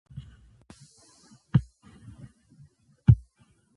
د ژبي له لارې د ولس احساسات څرګندیږي.